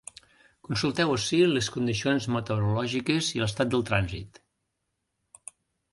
Consulteu ací les condicions meteorològiques i l’estat del trànsit.